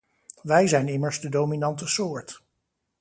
Wij zijn immers de dominante soort.